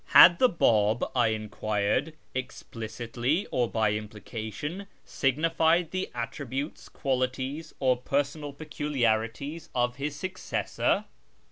" Had the Bab," I enquired, " explicitly or by implication signified the attributes, qualities, or personal peculiarities of his successor?"